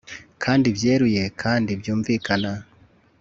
Kandi byeruye kandi byumvikana